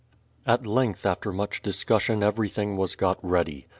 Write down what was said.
At length after much discussion everything was got ready.